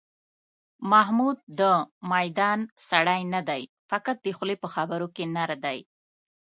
محمود د میدان سړی نه دی، فقط د خولې په خبرو کې نر دی.